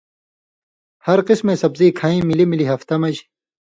ہر قسمَیں سبزی کَھیں ملی ملی ہفتہ مژ